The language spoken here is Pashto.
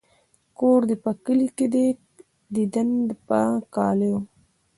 ـ کور دې په کلي کې دى ديدن د په کالو.